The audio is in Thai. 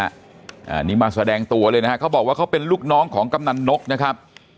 อันนี้มาแสดงตัวเลยนะฮะเขาบอกว่าเขาเป็นลูกน้องของกำนันนกนะครับ